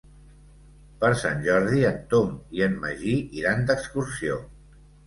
Per Sant Jordi en Tom i en Magí iran d'excursió.